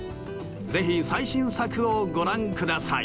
ぜひ最新作をご覧ください。